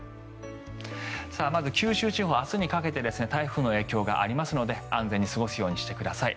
まず、九州地方明日にかけて台風の影響がありますので安全に過ごすようにしてください。